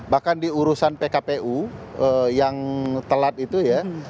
bahkan di urusan pkpu yang telat itu ya